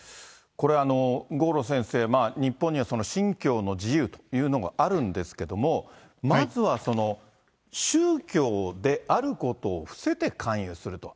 これ、郷路先生、日本には信教の自由というのがあるんですけれども、まずはその宗教であることを伏せて勧誘すると。